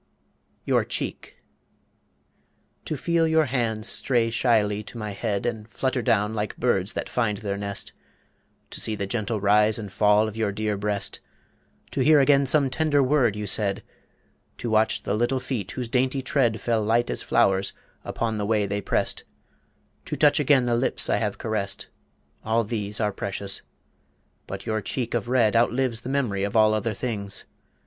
YOUR CHEEK To feel your hands stray shyly to my head And flutter down like birds that find their nest, To see the gentle rise and fall of your dear breast, To hear again some tender word you said, To watch the little feet whose dainty tread Fell light as flowers upon the way they pressed, To touch again the lips I have caressed All these are precious. But your cheek of red Outlives the mem'ry of all other things.